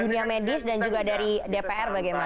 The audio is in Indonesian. dunia medis dan juga dari dpr bagaimana